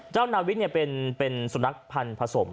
เจ้านาวิกเนี่ยเป็นสุนัขพันธ์ผสม